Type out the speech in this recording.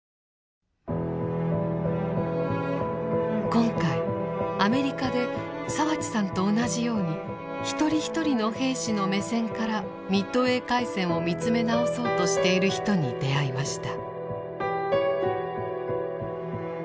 今回アメリカで澤地さんと同じように一人一人の兵士の目線からミッドウェー海戦を見つめ直そうとしている人に出会いました。